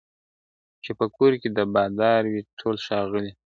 چي په کور کي د بادار وي ټول ښاغلي `